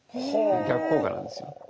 逆効果なんですよ。